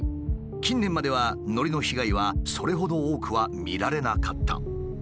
近年まではのりの被害はそれほど多くは見られなかった。